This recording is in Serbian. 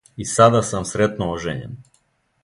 И сада сам сретно ожењен.